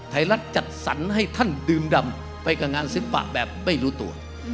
รัฐจัดสรรให้ท่านดื่มดำไปกับงานศิลปะแบบไม่รู้ตัว